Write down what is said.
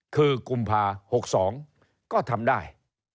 คือกุมภา๖๒ก็ทำได้